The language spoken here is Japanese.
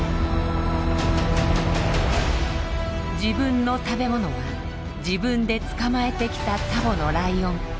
自分の食べ物は自分で捕まえてきたツァボのライオン。